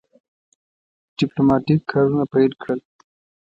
ډیپلوماټیک کارونه پیل کړل.